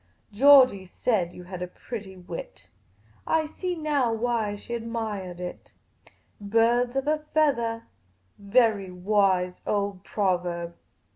Georgey said you had a pretty wit ; I see now why she admiahed it. Birds of a feathah : very wise old proverb."